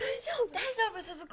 大丈夫鈴子？